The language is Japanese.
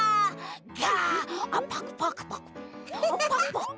ガッパクパクパクパク。